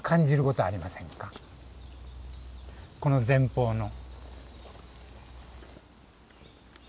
この前方の。